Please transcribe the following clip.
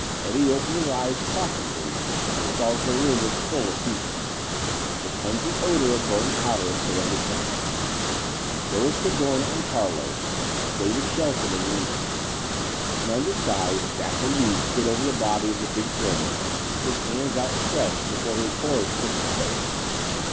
Eddie opened his eyes cautiously and saw that the room was full of people. The pungent odor of burned powder assailed his nostrils. There was Cadorna and Carlos, David Shelton and Lina. An undersized, dapper youth stood over the body of the big German, his hands outstretched before his horror stricken face.